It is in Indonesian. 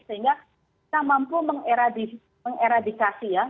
sehingga kita mampu mengeradikasi ya